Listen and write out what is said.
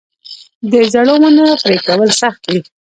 د زړو ونو پرې کول سخت دي؟